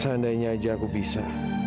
seandainya aja aku bisa